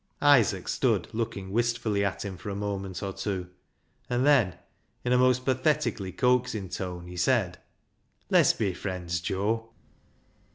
Isaac stood looking wistfully at him for a moment or two, and then in a most pathetically coaxing tone he said —" Less be friends, Joe."